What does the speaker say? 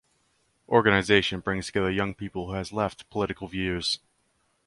Organisation brings together young people who has left political views.